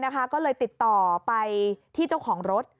ก็เลยติดต่อไปที่เจ้าของรถ